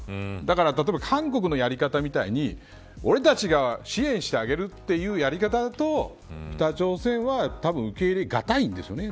例えば韓国のやり方みたいに俺たちが支援してあげるというやり方だと北朝鮮は受け入れがたいんでしょうね。